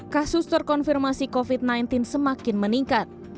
kasus terkonfirmasi covid sembilan belas semakin meningkat